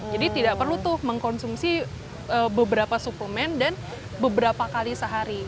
tidak perlu tuh mengkonsumsi beberapa suplemen dan beberapa kali sehari